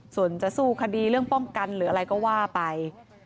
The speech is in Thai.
ส่วนจะสู้คดีเรื่องป้องกันหรืออะไรก็ว่าไป